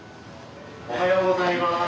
おはようございます。